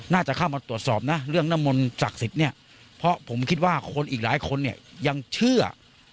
น่าจะเข้ามาตรวจสอบเรื่องนามนศักดิ์สิทธิ์เพราะผมคิดว่าคนอีกหลายคนยังเชื่อ